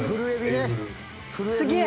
すげえ。